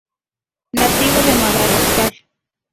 Nativo de Madagascar.